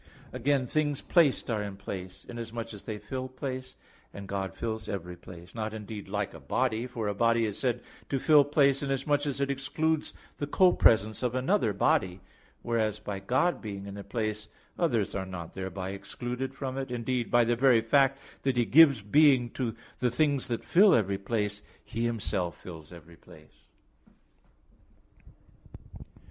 Again, things placed are in place, inasmuch as they fill place; and God fills every place; not, indeed, like a body, for a body is said to fill place inasmuch as it excludes the co presence of another body; whereas by God being in a place, others are not thereby excluded from it; indeed, by the very fact that He gives being to the things that fill every place, He Himself fills every place.